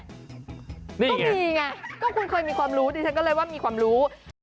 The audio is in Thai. ก็มีไงก็คุณเคยมีความรู้ดิฉันก็เลยว่ามีความรู้